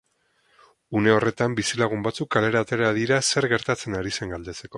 Une horretan, bizilagun batzuk kalera atera dira zer gertatzen ari zen galdetzeko.